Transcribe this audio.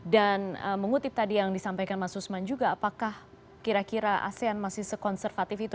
dan mengutip tadi yang disampaikan mas usman juga apakah kira kira asean masih sekonservatif itu